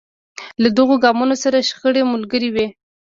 له دغو ګامونو سره شخړې ملګرې وې.